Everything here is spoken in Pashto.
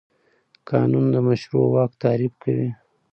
قانون د مشروع واک تعریف کوي.